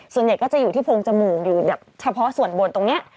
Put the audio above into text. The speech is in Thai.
ส่วนใหญ่ก็จะอยู่ที่โพงจมูกอยู่แบบเฉพาะส่วนบนตรงนี้